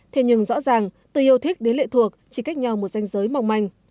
thế nhưng rõ ràng từ yêu thích đến lệ thuộc chỉ cách nhau một danh giới mỏng manh